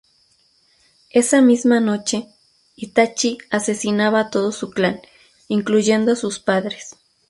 Esa misma noche, Itachi asesinaba a todo su clan, incluyendo a sus padres.